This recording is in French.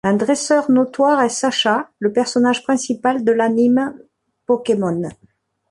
Un dresseur notoire est Sacha, le personnage principal de l'anime Pokémon.